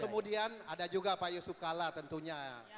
kemudian ada juga pak yusuf kalla tentunya